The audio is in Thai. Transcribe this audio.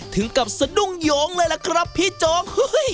ถึงกับสะดุ้งโยงเลยล่ะครับพี่โจ๊ก